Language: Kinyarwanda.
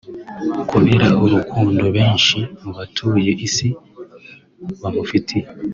kubera urukundo benshi mu batuye Isi bamufitiye